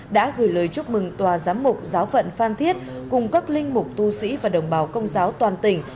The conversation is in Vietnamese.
đã gửi lời chúc mừng tòa giám mục giáo phận phan thiết cùng các linh mục tu sĩ và đồng bào công giáo toàn tỉnh